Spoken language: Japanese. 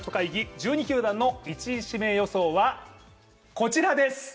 １２球団の１位指名予想は、こちらです。